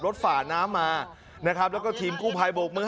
ฝ่าน้ำมานะครับแล้วก็ทีมกู้ภัยโบกมือ